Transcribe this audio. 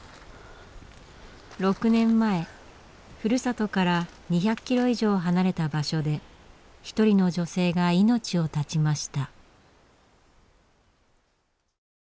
６年前ふるさとから２００ｋｍ以上離れた場所で１人の女性が命を絶ちました。